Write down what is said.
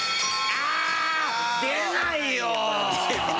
出ないよ！